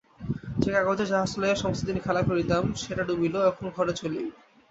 যে কাগজের জাহাজটা লইয়া সমস্তদিন খেলা করিতাম সেটা ডুবিল, এখন ঘরে চলি।